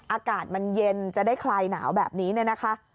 อากาศมันเย็นจะได้คลายหนาวแบบนี้เนี่ยนะคะ